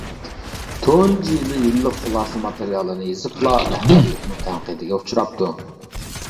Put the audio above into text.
تۇنجى يىلى يىللىق خۇلاسە ماتېرىيالىنى يېزىپلا رەھبەرلىكنىڭ تەنقىدىگە ئۇچراپتۇ.